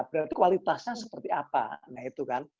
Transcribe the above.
berarti kualitasnya seperti apa nah itu kan